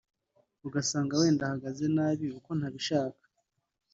ugasanga wenda ahagaze nabi uko ntabishaka”